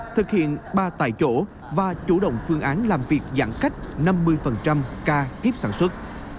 thực hiện ba tại chỗ và chủ động phương án làm việc giãn cách năm mươi ca kiếp sản xuất